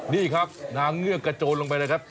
นี่ครับนางเงือกกระโจนลงไปเลยครับ